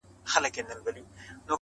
را گران يې کله کم او کله زيات راته وايي’